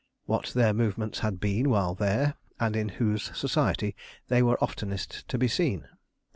What their movements had been while there, and in whose society they were oftenest to be seen.